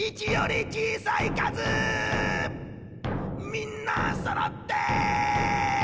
みんなそろって！